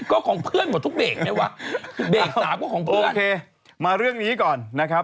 โอเคมาเรื่องนี้ก่อนนะครับ